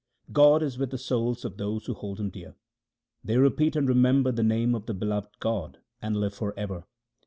God is with the souls of those who hold Him dear. They repeat and remember the name of the beloved God, and live for ever.